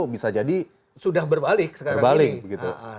bisa jadi sudah berbalik